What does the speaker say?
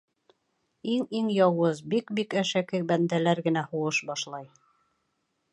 Иң-иң яуыз, бик-бик әшәке бәндәләр генә һуғыш башлай.